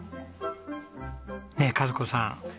ねえ和子さん